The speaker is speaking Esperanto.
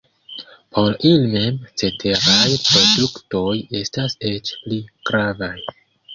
Por ili mem la ceteraj produktoj estas eĉ pli gravaj.